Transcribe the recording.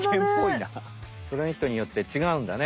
そのひとによって違うんだね。